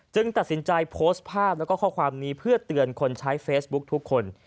ตัดสินใจโพสต์ภาพแล้วก็ข้อความนี้เพื่อเตือนคนใช้เฟซบุ๊คทุกคน